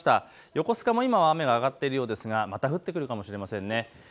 横須賀も今は雨が上がっているようですがまた降ってくるかもしれません。